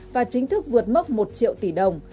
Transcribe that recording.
và chính thức vượt mất một triệu tỷ đồng